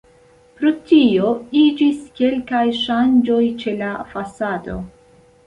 Pro tio iĝis kelkaj ŝanĝoj ĉe la fasado.